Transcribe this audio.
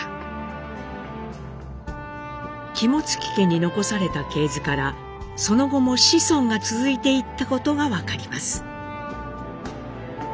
肝付家に残された系図からその後も子孫が続いていったことが分かります。